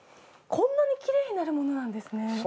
こんなに奇麗になるものなんですね。